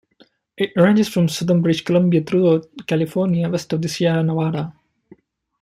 It ranges from southern British Columbia throughout California west of the Sierra Nevada.